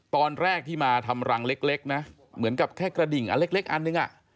ตอนแรกที่มาทำรังเล็กนะเหมือนกับแค่กระดิ่งอันเล็กอันนึงอ่ะ